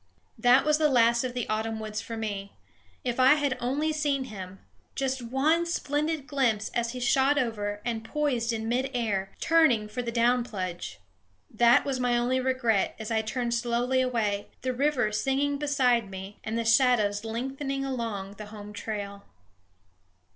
That was the last of the autumn woods for me. If I had only seen him just one splendid glimpse as he shot over and poised in mid air, turning for the down plunge! That was my only regret as I turned slowly away, the river singing beside me and the shadows lengthening along the home trail.